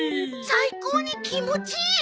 最高に気持ちいい？